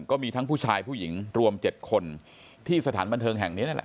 ก็มีทั้งผู้ชายผู้หญิงรวม๗คนที่สถานบันเทิงแห่งนี้นั่นแหละ